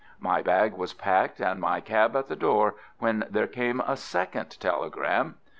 My bag was packed and my cab at the door, when there came a second telegram.